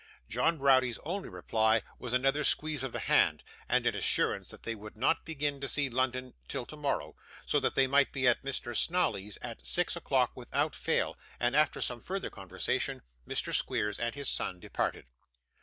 John Browdie's only reply was another squeeze of the hand, and an assurance that they would not begin to see London till tomorrow, so that they might be at Mr. Snawley's at six o'clock without fail; and after some further conversation, Mr. Squeers and his son departed.